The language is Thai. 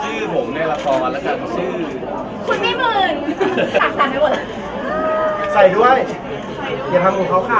ใส่ด้วยเดี๋ยวทำคนเขาฆ่าค่ะพี่มันเป็นควายหรือช็อคเกอร์ค่ะ